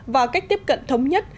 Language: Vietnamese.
và cách tiếp cận thống nhất